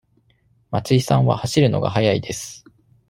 松井さんは走るのが速いです。